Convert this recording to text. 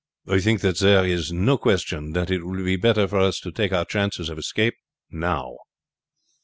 I think that there is no question that it will be better for us to take our chances of escape now."